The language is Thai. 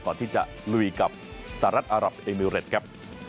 ก่อนที่จะลุยกับสหรัฐอารับเอมิเรตครับ